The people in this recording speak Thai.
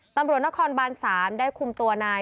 ตำรวจนครบาน๓ได้คุมตัวนาย